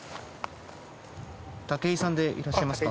武井さんでいらっしゃいますか？